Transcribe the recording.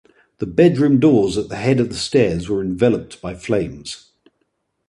The bedroom doors at the head of the stairs were enveloped by flames.